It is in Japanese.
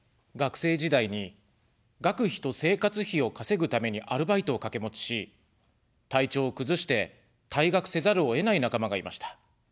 学生時代に、学費と生活費を稼ぐためにアルバイトをかけ持ちし、体調を崩して、退学せざるを得ない仲間がいました。